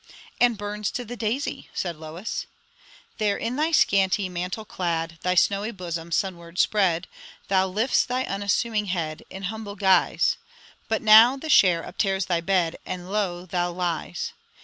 "And Burns to the daisy," said Lois 'There in thy scanty mantle clad, Thy snowy bosom sunward spread, Thou lifts thy unassuming head In humble guise; But now the share uptears thy bed, And low thou lies!